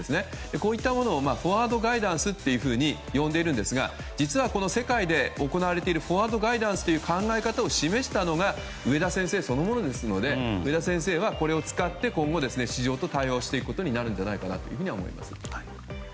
こういうことをフォワードガイダンスと呼んでいるんですが実は世界で行われているフォワードガイダンスという考え方を示したのが植田先生そのものなので植田先生はこれを使って、今後市場と対話していくことになるんじゃないかと思います。